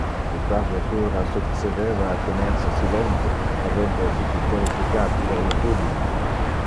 Le parve puera succedeva a tener se silente, habente essite terrificate per le fulmine.